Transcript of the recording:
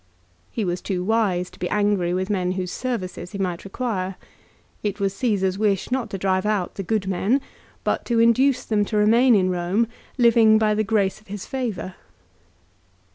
He was too wise to be angry with men whose services he might require. It was Caesar's wish not to drive out the good men, but to induce them to remain in Bomo living by the grace of his favour.